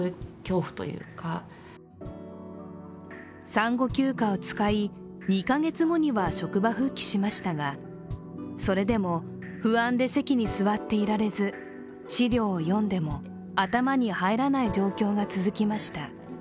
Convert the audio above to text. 産後休暇を使い、２か月後には職場復帰しましたがそれでも不安で席に座っていられず資料を読んでも頭に入らない状況が続きました。